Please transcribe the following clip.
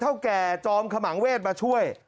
แก่จอมขมังเวศมาช่วย